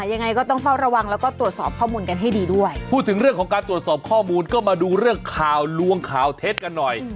ยังไงก็ต้องเฝ้าระวังแล้วก็ตรวจสอบข้อมูลกันให้ดีด้วยพูดถึงเรื่องของการตรวจสอบข้อมูลก็มาดูเรื่องข่าวลวงข่าวเท็จกันหน่อย